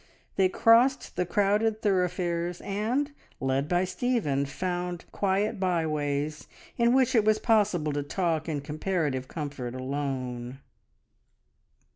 They crossed the crowded thoroughfares and, led by Stephen, found quiet byways in which it was possible to talk in comparative comfort alone.